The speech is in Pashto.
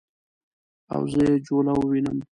او زه یې جوله ووینم